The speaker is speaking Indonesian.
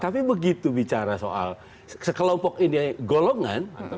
tapi begitu bicara soal sekelompok ini golongan